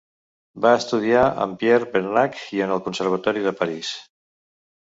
Va estudiar amb Pierre Bernac i en el Conservatori de París.